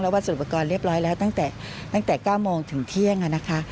และวัสดุประกอบเรียบร้อยแล้วตั้งแต่๙โมงถึงเที่ยงค่ะ